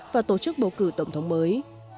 và tổ chức bầu cử tổng thống mới